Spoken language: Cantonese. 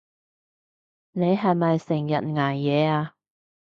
你係咪成日捱夜啊？